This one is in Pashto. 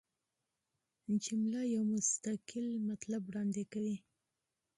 فقره یو مستقل مطلب وړاندي کوي.